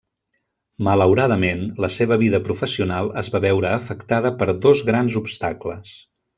Malauradament, la seva vida professional es va veure afectada per dos grans obstacles.